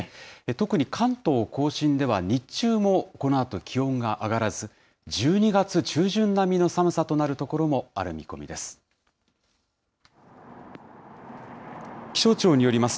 特に関東甲信では、日中もこのあと気温が上がらず、１２月中旬並みの寒さとなる所もある見込みです。